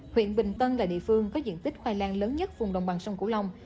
huyện bình tân là địa phương có diện tích khoai lang lớn nhất vùng đồng bằng sông cửu long